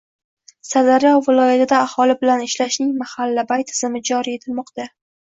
Sirdaryo viloyatida aholi bilan ishlashning mahallabay tizimi joriy etilmoqda